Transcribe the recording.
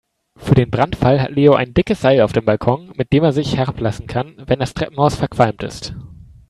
Für den Brandfall hat Leo ein dickes Seil auf dem Balkon, mit dem er sich herablassen kann, wenn das Treppenhaus verqualmt ist.